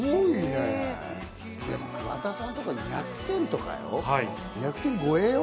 でも桑田さんとか２００点超えよ？